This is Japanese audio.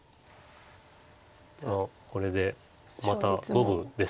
これでまた五分です